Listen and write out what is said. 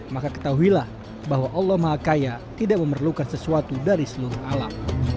maka ketahuilah bahwa allah maha kaya tidak memerlukan sesuatu dari seluruh alam